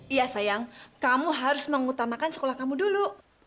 iya sayang kamu harus mengutamakan sekolah kamu dulu